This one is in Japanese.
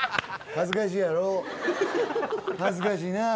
恥ずかしいなあ。